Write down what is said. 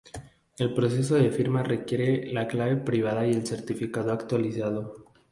El proceso de firma requiere la clave privada y el certificado actualizado.